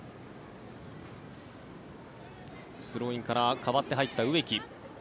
スローインから代わって入った植木。